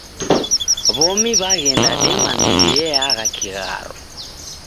W'omi w'aghenda dema midi yeagha kigharo